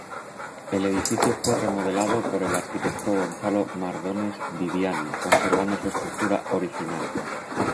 El edificio fue remodelado por el arquitecto Gonzalo Mardones Viviani, conservando su estructura original.